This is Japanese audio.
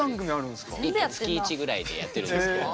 月１ぐらいでやってるんですけど。